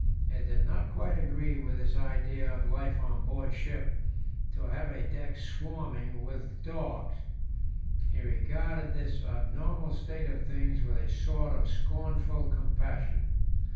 It did not quite agree with his idea of life on board ship to have a deck swarming with dogs. He regarded this abnormal state of things with a sort of scornful compassion.